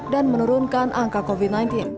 dan menurunkan angka covid sembilan belas